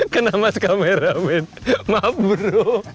kena mas kameramen maaf bro